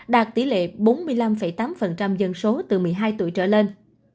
đạt tỷ lệ bốn mươi năm tám dân số từ một mươi hai tuổi trở lên